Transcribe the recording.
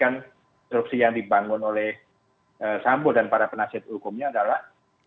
kan instruksi yang dibangun oleh sambo dan para penasihat hukumnya adalah